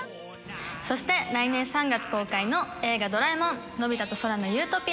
そして来年３月公開の『映画ドラえもんのび太と空の理想郷』。